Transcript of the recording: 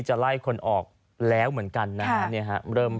จะไล่คนออกแล้วเหมือนกันนะฮะ